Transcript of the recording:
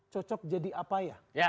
cocok jadi apa ya